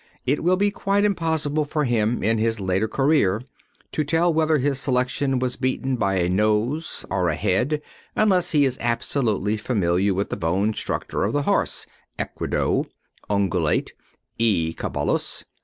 It will be quite impossible for him in his later career to tell whether his selection was beaten by a nose or a head, unless he is absolutely familiar with the bone structure of the horse (Equidoe), (Ungulate), (E. caballus).